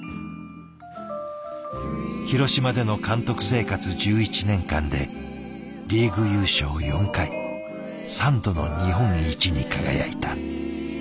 広島での監督生活１１年間でリーグ優勝４回３度の日本一に輝いた。